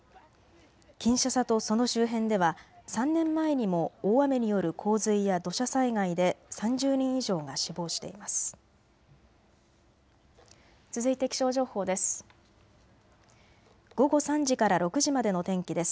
キンシャサとその周辺では３年前にも大雨による洪水や土砂災害で３０人以上が死亡しています。